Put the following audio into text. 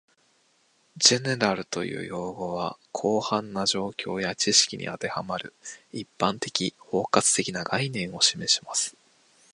"General" という用語は、広範な状況や知識に当てはまる、一般的・包括的な概念を示します